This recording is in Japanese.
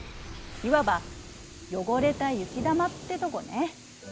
いわば汚れた雪玉ってとこね。